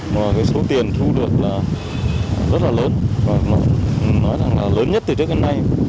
mà cái số tiền thu được là rất là lớn và nói rằng là lớn nhất từ trước đến nay